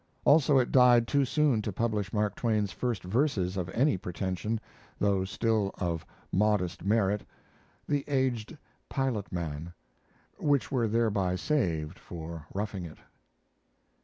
Also, it died too soon to publish Mark Twain's first verses of any pretension, though still of modest merit "The Aged Pilot Man" which were thereby saved for 'Roughing It.'